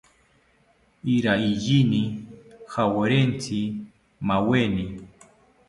Iraiyini jawarentzi maaweni